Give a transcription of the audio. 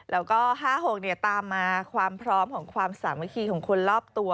แล้วก็๕๖ตามมาความพร้อมของความสามัคคีของคนรอบตัว